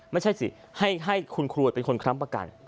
ไม่ใช่สิให้คุณครูเป็นคนค้ำประกัน